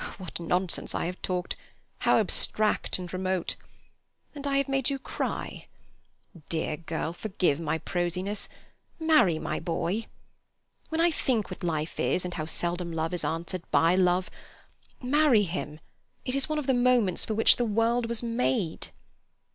"What nonsense I have talked—how abstract and remote! And I have made you cry! Dear girl, forgive my prosiness; marry my boy. When I think what life is, and how seldom love is answered by love—Marry him; it is one of the moments for which the world was made."